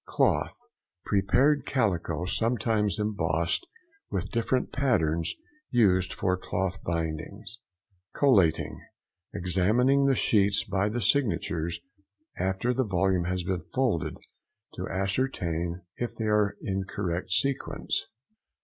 CLOTH.—Prepared calico, sometimes embossed with different patterns, used for cloth bindings. COLLATING.—Examining the sheets by the signatures after the volume has been folded, |175| to ascertain if they be in correct sequence.